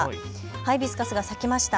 ハイビスカスが咲きました。